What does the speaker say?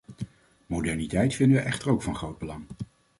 Moderniteit vinden wij echter ook van groot belang.